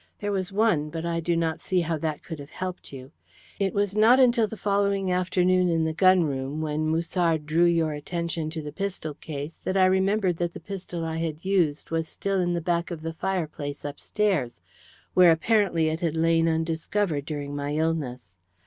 There was one, but I do not see how that could have helped you. It was not until the following afternoon in the gun room, when Musard drew your attention to the pistol case, that I remembered that the pistol I had used was still at the back of the fireplace upstairs, where apparently it had lain undiscovered during my illness.